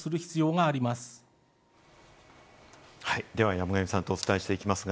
山神さんとお伝えしていきます。